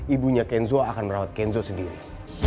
ibunya kenzo akan merawat kenzo sendiri